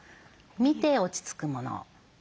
見て落ち着くもの。